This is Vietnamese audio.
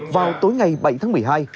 vào tối ngày bảy tháng một mươi hai